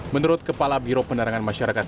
menurut kepala biro penerangan masyarakat